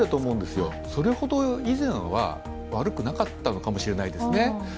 それほど以前は悪くなかったかもしれませんね。